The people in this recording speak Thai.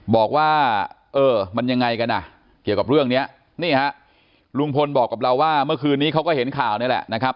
บอกว่าเออมันยังไงกันอ่ะเกี่ยวกับเรื่องนี้นี่ฮะลุงพลบอกกับเราว่าเมื่อคืนนี้เขาก็เห็นข่าวนี่แหละนะครับ